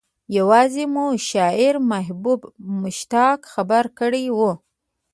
يوازې مو شاعر محبوب مشتاق خبر کړی و.